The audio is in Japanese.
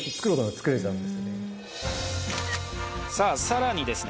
さらにですね